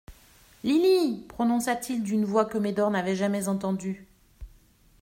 Lily ! prononça-t-il d'une voix que Médor n'avait jamais entendue.